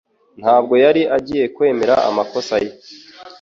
Ntabwo yari agiye kwemera amakosa ye